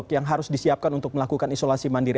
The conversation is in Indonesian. yang harus disiapkan untuk melakukan isolasi mandiri